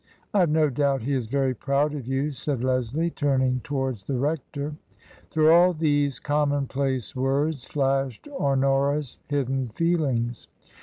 " IVe no doubt he is very proud of you/' said Leslie, turning towards the rector. Through all these commonplace words flashed Ho nora's hidden feelings.